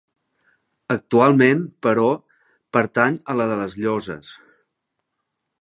Actualment, però, pertany a la de les Llosses.